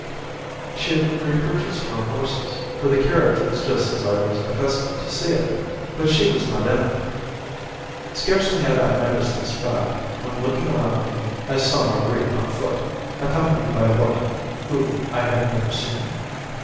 She had repurchased her horses, for the carriage was just as I was accustomed to see it, but she was not in it. Scarcely had I noticed this fact, when looking around me, I saw Marguerite on foot, accompanied by a woman whom I had never seen.